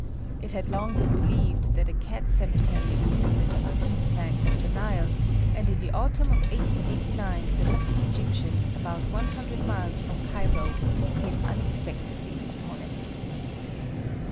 It had long been believed that a Cat cemetery existed on the east bank of the Nile, and in the autumn of 1889 the lucky Egyptian, about 100 miles from Cairo, came unexpectedly upon it.